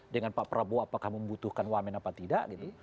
dengan pak prabowo apakah membutuhkan wamen apa tidak gitu